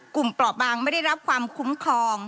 เปราะบางไม่ได้รับความคุ้มครอง